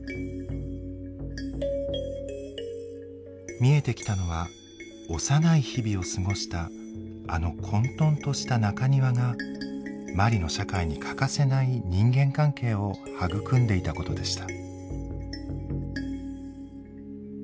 見えてきたのは幼い日々を過ごしたあの混とんとした中庭がマリの社会に欠かせない人間関係を育んでいたことでした。